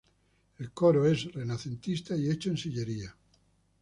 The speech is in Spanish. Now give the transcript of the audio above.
El coro es renacentista y hecho en sillería.